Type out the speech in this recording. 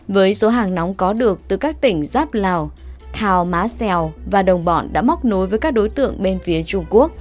với số hàng nóng có được từ các tỉnh giáp lào thảo má xèo và đồng bọn đã móc nối với các đối tượng bên phía trung quốc